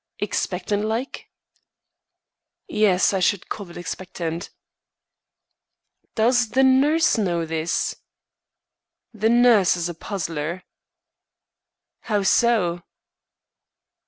"Expectant like?" "Yes, I should call it expectant." "Does the nurse know this?" "The nurse is a puzzler." "How so?"